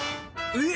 えっ！